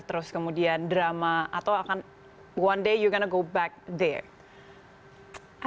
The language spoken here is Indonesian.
terus kemudian drama atau akan one day you're gonna go back there